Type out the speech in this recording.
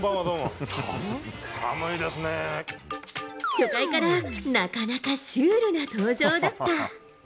初回からなかなかシュールな登場だった。